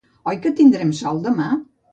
Oi que tindrem sol demà?